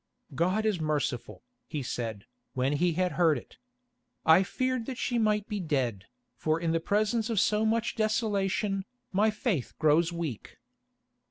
"God is merciful," he said, when he had heard it. "I feared that she might be dead, for in the presence of so much desolation, my faith grows weak."